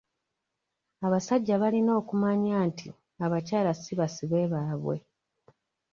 Abasajja balina okumanya nti abakyala si basibe baabwe.